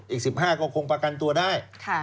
อีก๑๕ก็คงประกันตัวได้